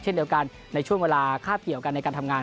เช่นเดียวกันในช่วงเวลาคาบเกี่ยวกันในการทำงาน